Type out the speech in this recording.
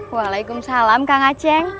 waalaikumsalam kang acing